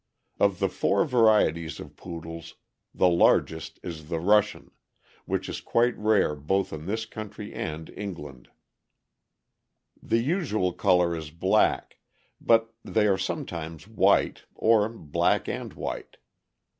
Of the four varieties of Poodles, the largest is the Russian, which is quite rare both in this country and England. The usual color is black, but they are sometimes white, or black and white.